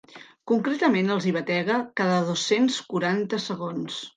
Concretament els hi batega cada dos-cents quaranta segons.